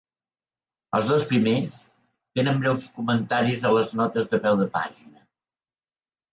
Els dos primers tenen breus comentaris a les notes de peu de pàgina.